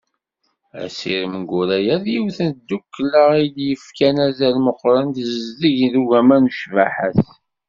Asirem Guraya d yiwet n tdukkla i yefkan azal meqqren i tezdeg n ugema d ccbaḥa-s.